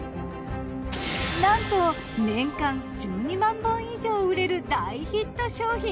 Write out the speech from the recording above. なんと年間１２万本以上売れる大ヒット商品。